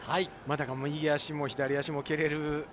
右足も左足も蹴られる。